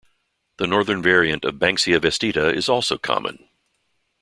The northern variant of "Banksia vestita" is also common.